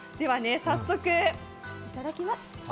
早速、いただきます。